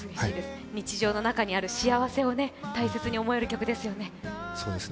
日常の中にある幸せを大切に思える曲ですよね。